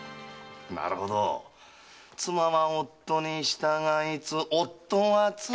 なるほど「妻は夫に従いつ夫は妻に」